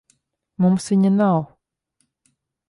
Mums viņa nav.